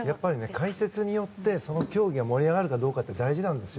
解説によってその競技が盛り上がるかって大事なんですよ。